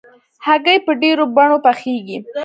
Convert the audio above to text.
هګۍ په ډېرو بڼو پخېږي.